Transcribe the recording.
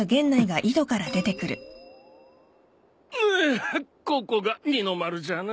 うここが二の丸じゃな。